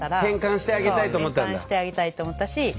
変換してあげたいと思ったんだ。